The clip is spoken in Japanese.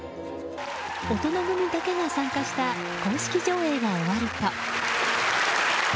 大人組だけが参加した公式上映が終わると。